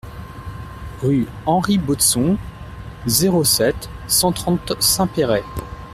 Rue Henri Baudson, zéro sept, cent trente Saint-Péray